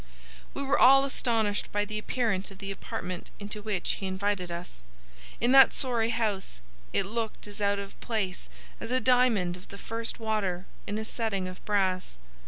We were all astonished by the appearance of the apartment into which he invited us. In that sorry house it looked as out of place as a diamond of the first water in a setting of brass.